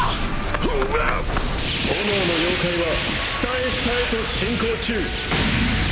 炎の妖怪は下へ下へと進行中。